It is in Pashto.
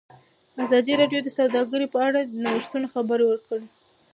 ازادي راډیو د سوداګري په اړه د نوښتونو خبر ورکړی.